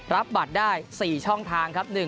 รับบัตรได้๔ช่องทางครับ